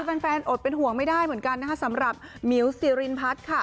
ยอดเป็นห่วงไม่ได้เหมือนกันนะคะสำหรับมิวสิรินพัฒน์ค่ะ